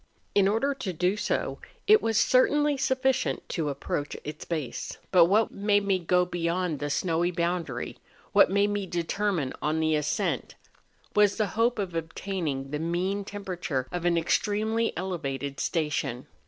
In order to do so, it was certainly sufficient to approach its base; but what made me go beyond the snowy boundary—what made me determine on the ascent—was the hope of obtaining the mean temperature of an extremely elevated station.